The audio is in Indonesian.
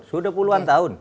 sudah puluhan tahun